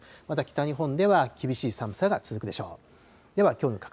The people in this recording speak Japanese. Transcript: また北日本では、厳しい寒さが続くでしょう。